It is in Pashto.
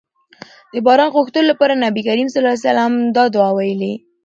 د باران غوښتلو لپاره نبي کريم صلی الله علیه وسلم دا دعاء ويلي